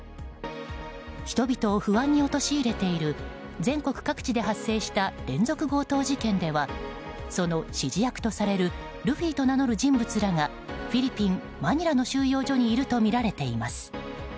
人々を不安に陥れている全国各地で発生した連続強盗事件ではその指示役とされるルフィと名乗る人物らがフィリピン・マニラの収容所にいるとみられています。